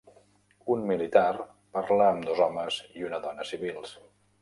Un militar parla amb dos homes i una dona civils.